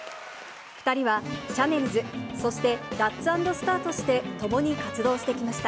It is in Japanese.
２人はシャネルズ、そしてラッツ＆スターとして、共に活動してきました。